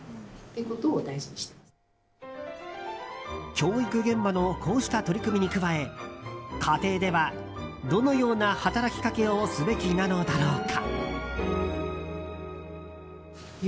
教育現場のこうした取り組みに加え家庭では、どのような働きかけをすべきなのだろうか。